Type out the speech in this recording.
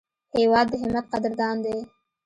هېواد د همت قدردان دی.